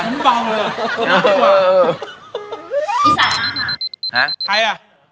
ฮะใครละ